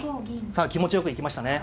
さあ気持ちよく行きましたね。